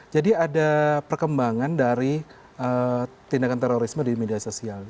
jadi ada perkembangan dari tindakan terorisme di media sosial